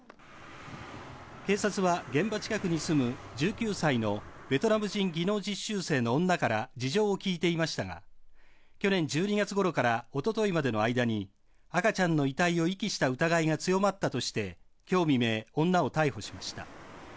警察は、現場近くに住む１９歳のベトナム人技能実習生の女から事情を聴いていましたが去年１２月ごろからおとといまでの間に赤ちゃんの遺体を遺棄した疑いが強まったとして今日未明、女を逮捕しました。